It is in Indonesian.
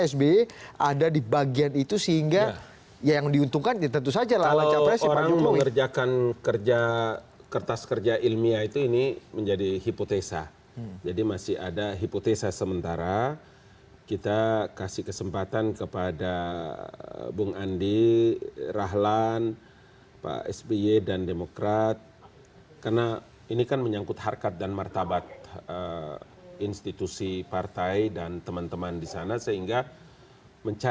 sudah berkomunikasi dengan john gertelsen